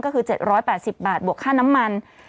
ก็คือ๗๘๐บาทบวกค่าน้ำมัน